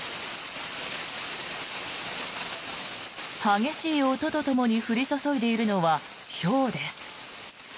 激しい音とともに降り注いでいるのはひょうです。